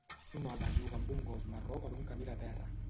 Un home juga amb un gos marró per un camí de terra.